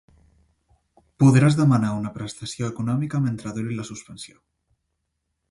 Podràs demanar una prestació econòmica mentre duri la suspensió.